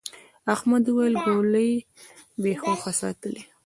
احمد وويل: گولۍ بې هوښه ساتلې.